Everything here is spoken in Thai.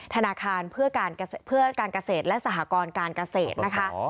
ธนาคารเพื่อการเกษตรและสหกรการเกษตรนะคะ